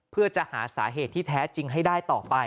เพื่อจะหาสาเหตุที่แท้จริงให้ได้ต่อไป